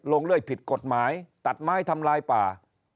เรื่อยผิดกฎหมายตัดไม้ทำลายป่า